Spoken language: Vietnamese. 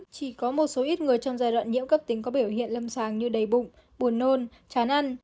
chỉ có một số ít người trong giai đoạn nhiễm cấp tính có biểu hiện lâm sàng như đầy bụng buồn nôn chán ăn